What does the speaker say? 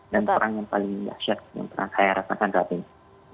dan perang yang paling dahsyat yang pernah saya rasakan saat ini